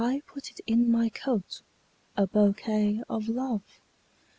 put it in my coat,A bouquet of Love!